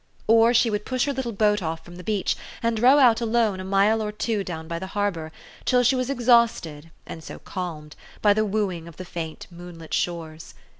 Or she would push her little boat off from the beach, and row out alone a mile or two down the Harbor, till she was exhausted (and so calmed) by THE STORY OF AVIS. 143 the wooing of the faint moonlit shores.